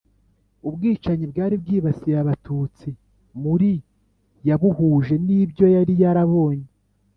Ubwicanyi bwari bwibasiye Abatutsi muri yabuhuje n ibyo yari yarabonye